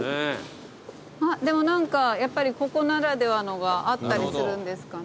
あっでも何かやっぱりここならではのがあったりするんですかね。